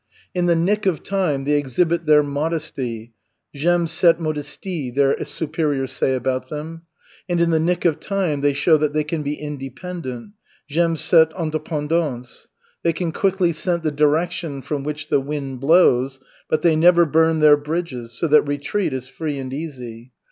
In the nick of time they exhibit their modesty ("j'aime cette modestie" their superiors say about them), and in the nick of time they show that they can be independent ("j'aime cette indépendance!") They quickly scent the direction from which the wind blows, but they never burn their bridges, so that retreat is free and easy.